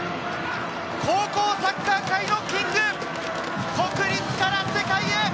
高校サッカー界のキング、国立から世界へ！